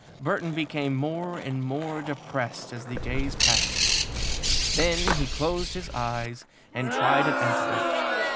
Burton became more and more depressed as the days passed. Then he closed his eyes and tried an antidote.